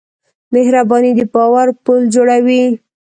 مهرباني د باور پُل جوړوي.